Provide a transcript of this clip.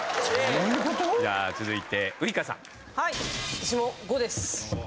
私も５です。